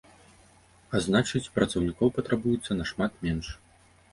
А значыць, працаўнікоў патрабуецца нашмат менш.